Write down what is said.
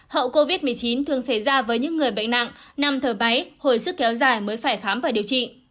hậu covid một mươi chín thường xảy ra với những người bệnh nặng năm thở máy hồi sức kéo dài mới phải khám và điều trị